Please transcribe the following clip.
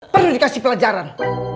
perlu dikasih pelajaran